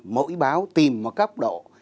mỗi báo tìm một góc độ